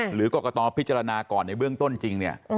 หรือกรกตพิจารณาก่อนในเบื้องต้นจริงเนี่ย